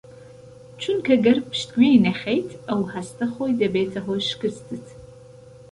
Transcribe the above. چونکە گەر پشتگوێی نەخەیت ئەو هەستە خۆی دەبێتە هۆی شکستت